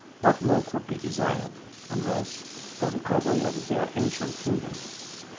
What more could be desired, unless the recovery of their ancient kingdom?